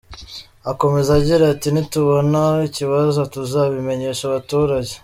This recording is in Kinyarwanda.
Akomeza agira ati “Nitubona ikibazo tuzabimenyesha abaturage.